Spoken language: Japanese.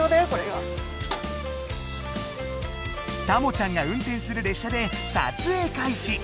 たもちゃんが運転する列車で撮影開始！